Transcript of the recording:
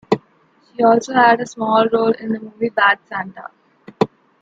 She also had a small role in the movie "Bad Santa".